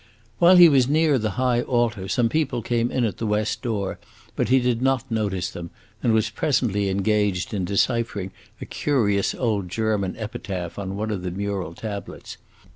While he was near the high altar some people came in at the west door; but he did not notice them, and was presently engaged in deciphering a curious old German epitaph on one of the mural tablets.